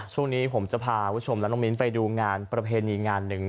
ช่วงนี้ผมจะพาคุณผู้ชมและน้องมิ้นไปดูงานประเพณีงานหนึ่ง